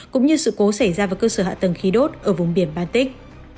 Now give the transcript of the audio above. cũng như sự cố xảy ra vào cơ sở hạ tầng khí đốt ở vùng biển baltic